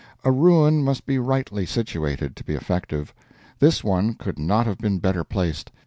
A ruin must be rightly situated, to be effective. This one could not have been better placed.